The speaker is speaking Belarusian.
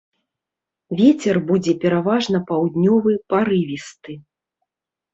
Вецер будзе пераважна паўднёвы парывісты.